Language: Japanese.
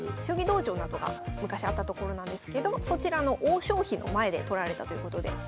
将棋道場だとか昔あったところなんですけどそちらの王将碑の前で撮られたということで。